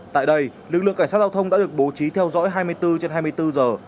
tại đây lực lượng cảnh sát giao thông đã được bố trí theo dõi hai mươi bốn trên hai mươi bốn giờ